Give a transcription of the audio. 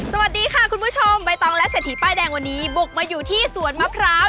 สวัสดีค่ะคุณผู้ชมใบตองและเศรษฐีป้ายแดงวันนี้บุกมาอยู่ที่สวนมะพร้าว